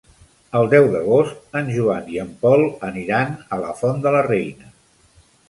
El deu d'agost en Joan i en Pol aniran a la Font de la Reina.